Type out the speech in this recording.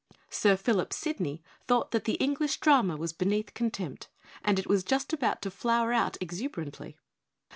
Sir Philip Sidney thought that the English drama was beneath contempt; and it was just about to flower out exuberantly.